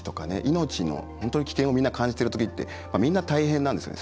命の本当に危険をみんな感じてるときってみんな大変なんですよね。